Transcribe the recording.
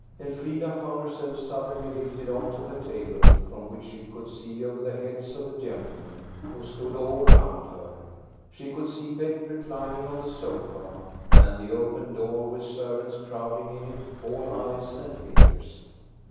Elfrida found herself suddenly lifted on to the table, from which she could see over the heads of the gentlemen who stood all round her. She could see Bet reclining on the sofa, and the open door with servants crowding in it, all eyes and ears.